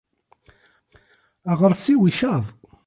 Aɣersiw icaḍ